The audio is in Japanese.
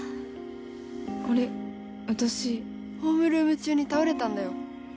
あれ私ホームルーム中に倒れたんだよ